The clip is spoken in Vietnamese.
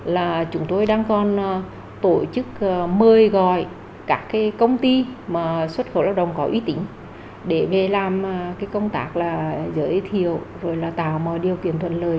là chúng tôi đang còn tổ chức mời gọi các công ty mà xuất khẩu lao động có uy tín để về làm công tác giới thiệu và tạo mọi điều kiện thuận lợi